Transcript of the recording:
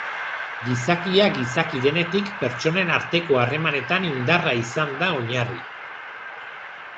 Gizakia gizaki denetik pertsonen arteko harremanetan indarra izan da oinarri.